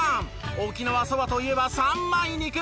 沖縄そばといえば三枚肉。